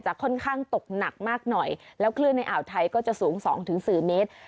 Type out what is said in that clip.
ค่อนข้างตกหนักมากหน่อยแล้วคลื่นในอ่าวไทยก็จะสูง๒๔เมตร